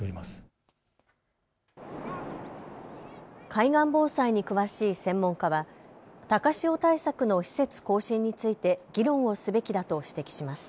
海岸防災に詳しい専門家は高潮対策の施設更新について議論をすべきだと指摘します。